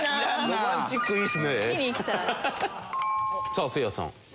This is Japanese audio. さあせいやさん。